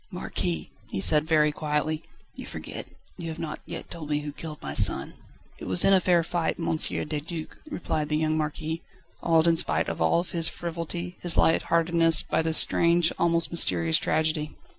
"Marquis," he said very quietly, "you forget you have not yet told me who killed my son." "It was in a fair fight, M. de Duc," replied the young Marquis, awed in spite of all his frivolity, his light heartedness, by this strange, almost mysterious tragedy.